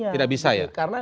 tidak bisa ya